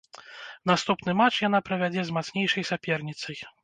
Наступны матч яна правядзе з мацнейшай саперніцай.